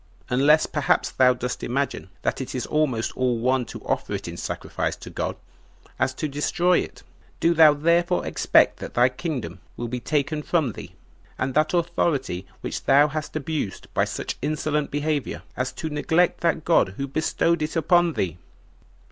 unless perhaps thou dost imagine that it is almost all one to offer it in sacrifice to God as to destroy it. Do thou therefore expect that thy kingdom will be taken from thee, and that authority which thou hast abused by such insolent behavior, as to neglect that God who bestowed it upon thee."